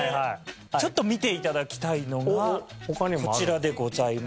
ちょっと見て頂きたいのがこちらでございます。